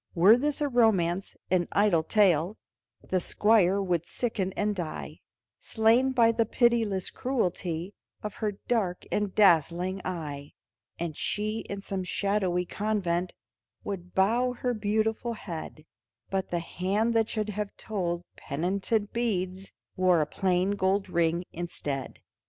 Were this a romance, an idle tale, The Squire would sicken and die, Slain by the pitiless cruelty, Of her dark and dazzling eye; And she in some shadowy convent Would bow her beautiful head, But the hand that should have told penitent beads Wore a plain gold ring instead.